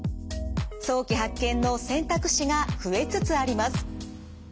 早期発見の選択肢が増えつつあります。